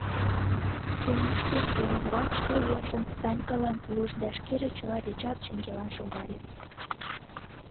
Сёмушкин, ӧрынрак, шке вержым Санькалан пуыш да шкеже чыла дечат шеҥгелан шогале.